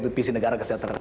itu visi negara kesehatan